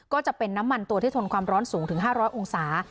ก็จะเป็นน้ำมันตัวที่ทนความร้อนสูงถึง๕๐๐องศา